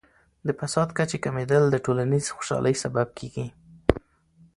د فساد کچې کمیدل د ټولنیز خوشحالۍ سبب کیږي.